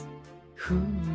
フーム。